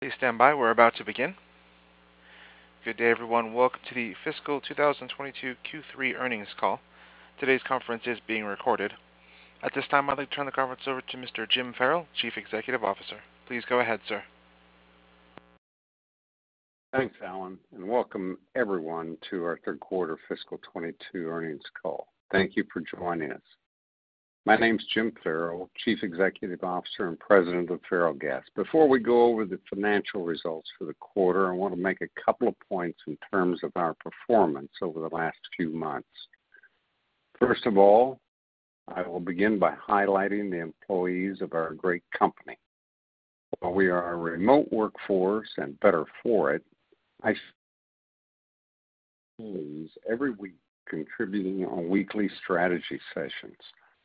Please stand by. We're about to begin. Good day, everyone. Welcome to the fiscal 2022 Q3 earnings call. Today's conference is being recorded. At this time, I'd like to turn the conference over to Mr. James Ferrell, Chief Executive Officer. Please go ahead, sir. Thanks, Alan, and welcome everyone to our third quarter fiscal 2022 earnings call. Thank you for joining us. My name is James Ferrell, Chief Executive Officer and President of Ferrellgas. Before we go over the financial results for the quarter, I wanna make a couple of points in terms of our performance over the last few months. First of all, I will begin by highlighting the employees of our great company. While we are a remote workforce and better for it, we every week contributing in weekly strategy sessions,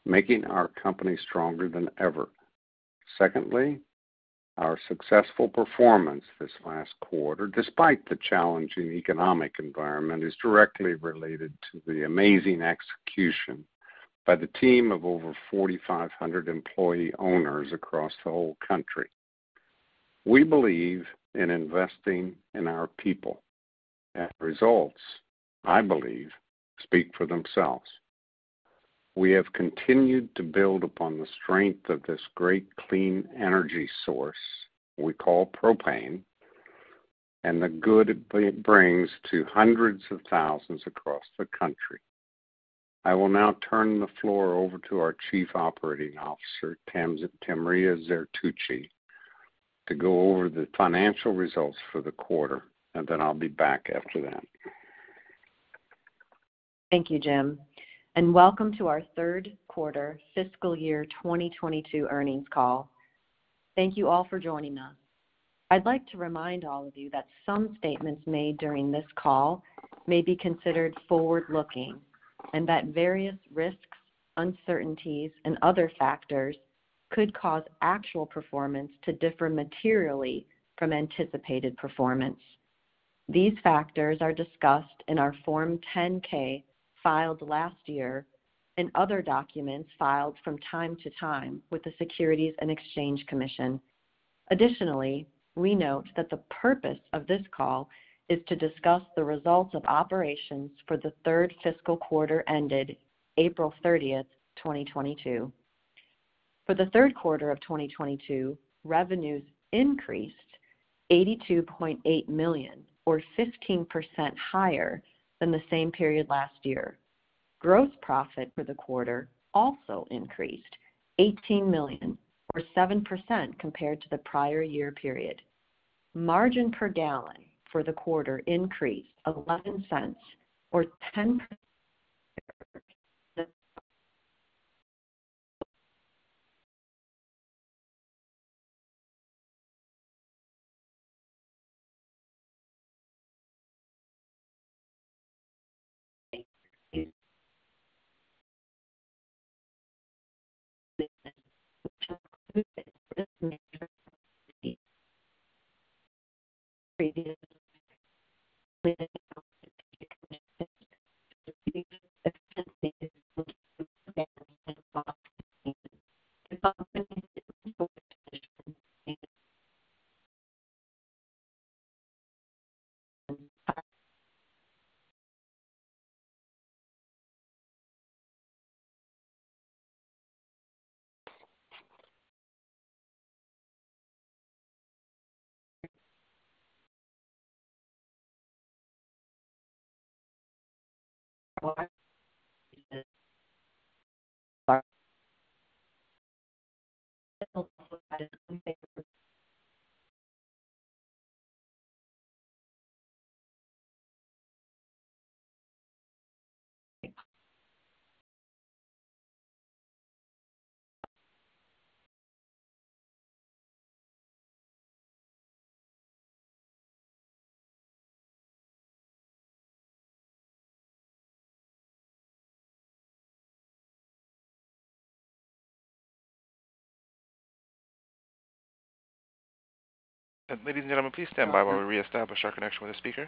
making our company stronger than ever. Secondly, our successful performance this last quarter, despite the challenging economic environment, is directly related to the amazing execution by the team of over 4,500 employee owners across the whole country. We believe in investing in our people and results, I believe, speak for themselves. We have continued to build upon the strength of this great clean energy source we call propane and the good it brings to hundreds of thousands across the country. I will now turn the floor over to our Chief Operating Officer, Tamria Zertuche, to go over the financial results for the quarter, and then I'll be back after that. Thank you, Jim, and welcome to our third quarter fiscal year 2022 earnings call. Thank you all for joining us. I'd like to remind all of you that some statements made during this call may be considered forward-looking and that various risks, uncertainties, and other factors could cause actual performance to differ materially from anticipated performance. These factors are discussed in our Form 10-K filed last year and other documents filed from time to time with the Securities and Exchange Commission. Additionally, we note that the purpose of this call is to discuss the results of operations for the third fiscal quarter ended April 30, 2022. For the third quarter of 2022, revenues increased $82.8 million or 15% higher than the same period last year. Gross profit for the quarter also increased $18 million or 7% compared to the prior year period. Margin per gallon for the quarter increased $0.11 or 10%. Ladies and gentlemen, please stand by while we reestablish our connection with the speaker.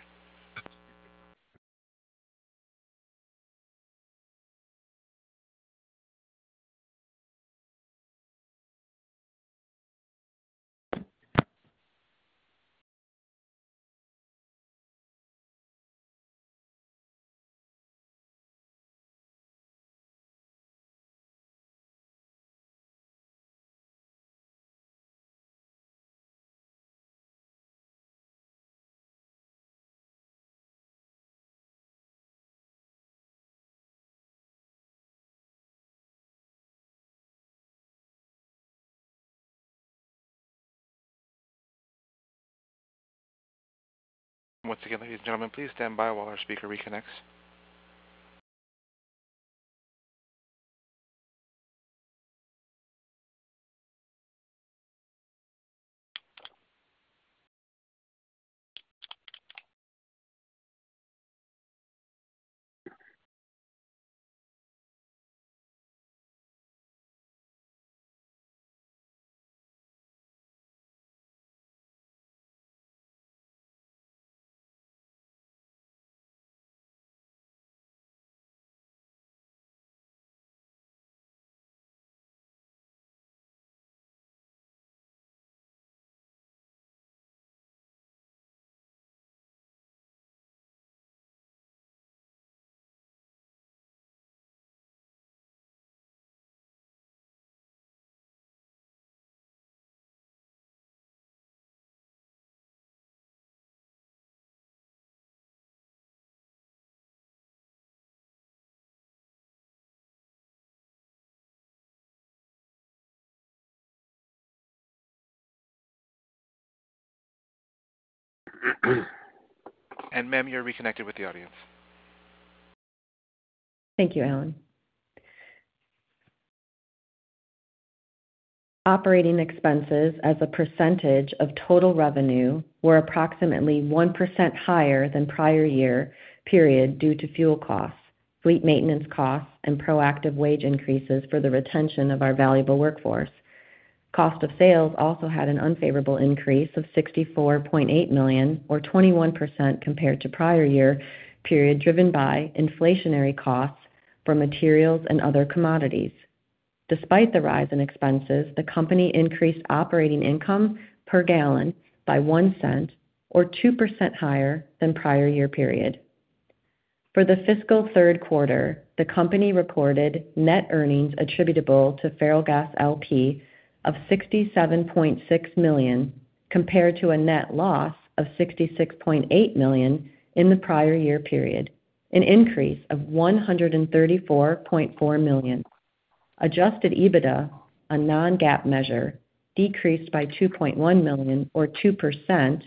Once again, ladies and gentlemen, please stand by while our speaker reconnects. Ma'am, you're reconnected with the audience. Thank you, Alan. Operating expenses as a percentage of total revenue were approximately 1% higher than prior year period due to fuel costs, fleet maintenance costs, and proactive wage increases for the retention of our valuable workforce. Cost of sales also had an unfavorable increase of $64.8 million or 21% compared to prior year period, driven by inflationary costs for materials and other commodities. Despite the rise in expenses, the company increased operating income per gallon by $0.01 or 2% higher than prior year period. For the fiscal third quarter, the company reported net earnings attributable to Ferrellgas Partners, L.P. of $67.6 million, compared to a net loss of $66.8 million in the prior year period, an increase of $134.4 million. Adjusted EBITDA, a non-GAAP measure, decreased by $2.1 million or 2%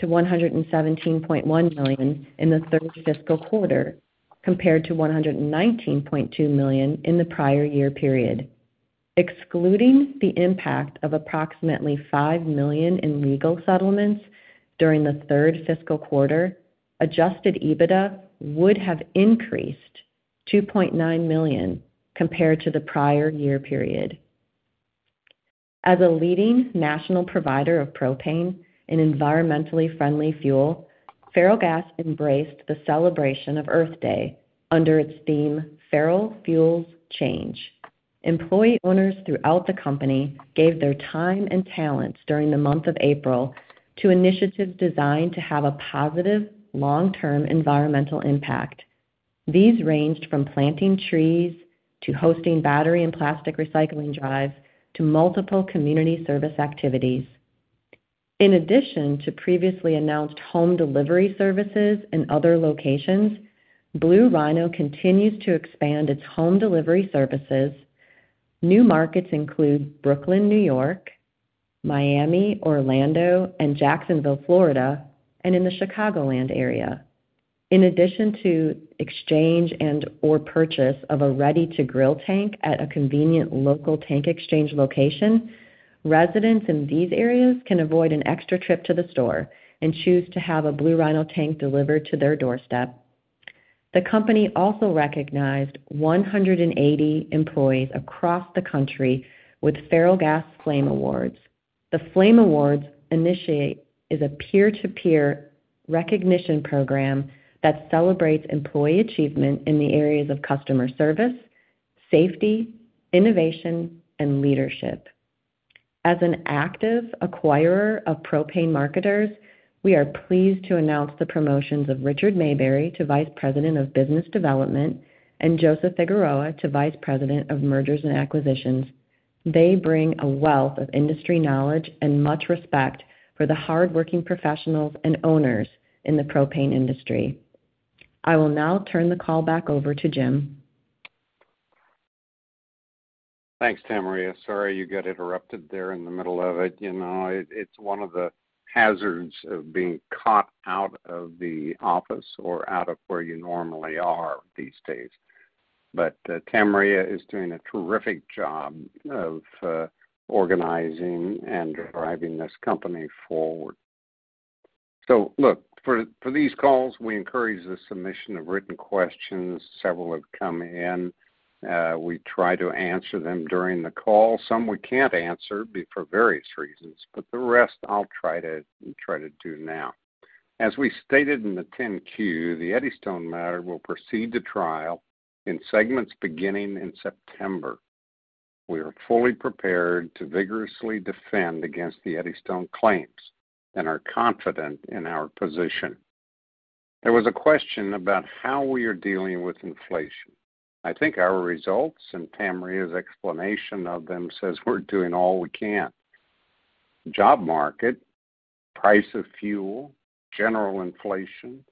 to $117.1 million in the third fiscal quarter, compared to $119.2 million in the prior year period. Excluding the impact of approximately $5 million in legal settlements during the third fiscal quarter, adjusted EBITDA would have increased $2.9 million compared to the prior year period. As a leading national provider of propane and environmentally friendly fuel, Ferrellgas embraced the celebration of Earth Day under its theme, Ferrell Fuels Change. Employee owners throughout the company gave their time and talents during the month of April to initiatives designed to have a positive long-term environmental impact. These ranged from planting trees to hosting battery and plastic recycling drives to multiple community service activities. In addition to previously announced home delivery services in other locations, Blue Rhino continues to expand its home delivery services. New markets include Brooklyn, New York, Miami, Orlando, and Jacksonville, Florida, and in the Chicagoland area. In addition to exchange and/or purchase of a ready-to-grill tank at a convenient local tank exchange location, residents in these areas can avoid an extra trip to the store and choose to have a Blue Rhino tank delivered to their doorstep. The company also recognized 180 employees across the country with Ferrellgas Flame Awards. The Flame Awards initiative is a peer-to-peer recognition program that celebrates employee achievement in the areas of customer service, safety, innovation, and leadership. As an active acquirer of propane marketers, we are pleased to announce the promotions of Richard Mayberry to Vice President of Business Development and Joseph Figueroa to Vice President of Mergers and Acquisitions. They bring a wealth of industry knowledge and much respect for the hardworking professionals and owners in the propane industry. I will now turn the call back over to Jim. Thanks, Tamria. Sorry you got interrupted there in the middle of it. You know, it's one of the hazards of being caught out of the office or out of where you normally are these days. Tamria is doing a terrific job of organizing and driving this company forward. Look, for these calls, we encourage the submission of written questions. Several have come in. We try to answer them during the call. Some we can't answer for various reasons, but the rest I'll try to do now. As we stated in the 10-Q, the Eddystone matter will proceed to trial in segments beginning in September. We are fully prepared to vigorously defend against the Eddystone claims and are confident in our position. There was a question about how we are dealing with inflation. I think our results, and Tamria's explanation of them, says we're doing all we can. Job market, price of fuel, general inflation,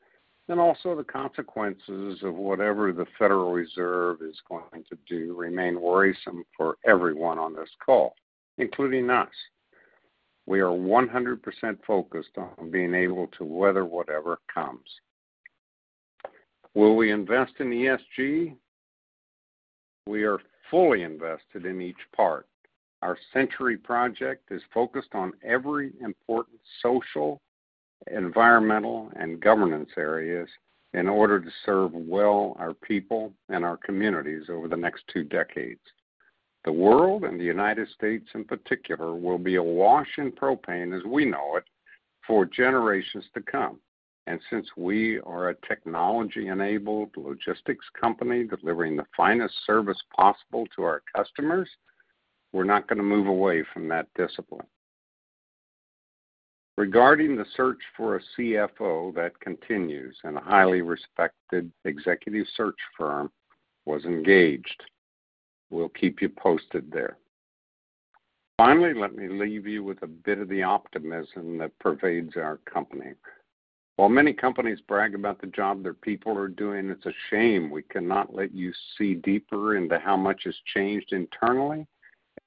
and also the consequences of whatever the Federal Reserve is going to do remain worrisome for everyone on this call, including us. We are 100% focused on being able to weather whatever comes. Will we invest in ESG? We are fully invested in each part. Our century project is focused on every important social, environmental, and governance areas in order to serve well our people and our communities over the next two decades. The world and the United States in particular will be awash in propane as we know it for generations to come. Since we are a technology-enabled logistics company delivering the finest service possible to our customers, we're not gonna move away from that discipline. Regarding the search for a CFO, that continues, and a highly respected executive search firm was engaged. We'll keep you posted there. Finally, let me leave you with a bit of the optimism that pervades our company. While many companies brag about the job their people are doing, it's a shame we cannot let you see deeper into how much has changed internally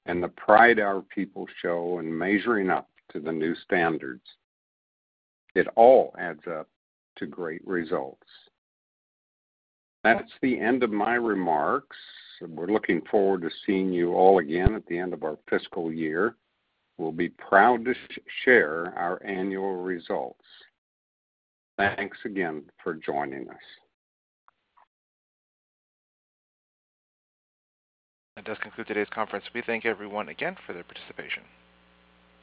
and the pride our people show in measuring up to the new standards. It all adds up to great results. That's the end of my remarks. We're looking forward to seeing you all again at the end of our fiscal year. We'll be proud to share our annual results. Thanks again for joining us. That does conclude today's conference. We thank everyone again for their participation.